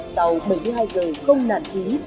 sau bảy mươi hai giờ không nản trí